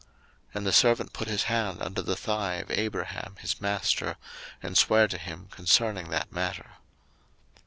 01:024:009 And the servant put his hand under the thigh of Abraham his master, and sware to him concerning that matter.